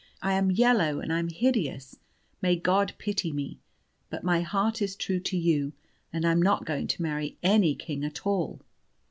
I am yellow, and I'm hideous, may God pity me! But my heart is true to you, and I am not going to marry any king at all."